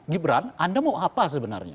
gibran anda mau apa sebenarnya